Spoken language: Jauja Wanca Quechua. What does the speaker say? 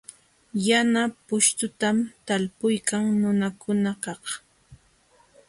Yana pushtutam talpuykan nunakunakaq.